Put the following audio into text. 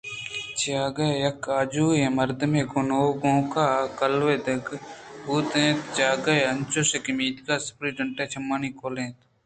جاگہے ءَ یک آجو ئیں مردمے ءِ گونگ ءَ کلوہ دیگ بوتگ اَت ءُجاگہے انچوش کہ میتگ ءِسپرنٹنڈنٹ چمانی کلّءَ اِنت